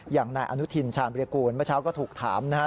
อย่างนายอนุทินชาญวิรากูลเมื่อเช้าก็ถูกถามนะฮะ